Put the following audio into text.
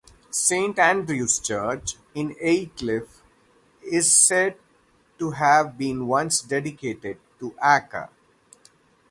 Saint Andrew's Church in Aycliffe is said to have been once dedicated to Acca.